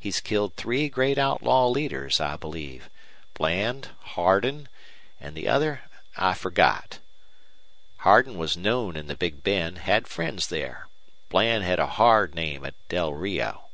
He's killed three great outlaw leaders, I believe Bland, Hardin, and the other I forgot. Hardin was known in the Big Bend, had friends there. Bland had a hard name at Del Rio."